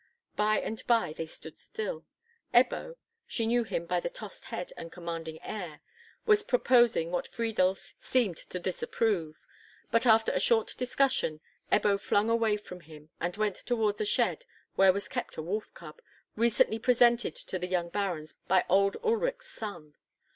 By and by they stood still; Ebbo—she knew him by the tossed head and commanding air—was proposing what Friedel seemed to disapprove; but, after a short discussion, Ebbo flung away from him, and went towards a shed where was kept a wolf cub, recently presented to the young Barons by old Ulrich's son.